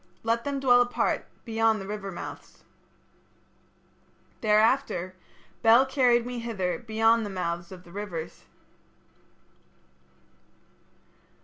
Let them dwell apart beyond the river mouths.' "Thereafter Bel carried me hither beyond the mouths of rivers."